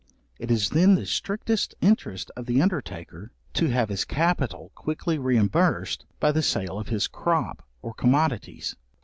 It is then the strictest interest of the undertaker, to have his capital quickly reimbursed by the sale of his crop or commodities.